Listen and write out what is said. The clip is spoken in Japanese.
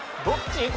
どっち？